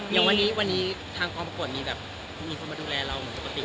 อย่างวันนี้ทางครองประกวดมีคนมาดูแลเธออย่างปกติ